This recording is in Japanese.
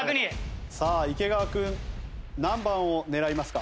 さあ池川君何番を狙いますか？